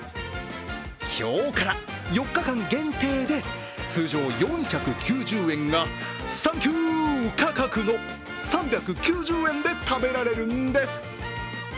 今日から４日間限定で通常４９０円がサンキュー価格の３９０円で食べられるんです。